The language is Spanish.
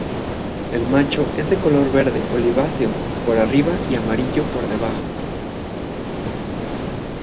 El macho es de color verde oliváceo por arriba y amarillo por debajo.